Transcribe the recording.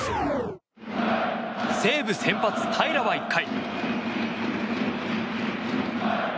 西武先発、平良は１回。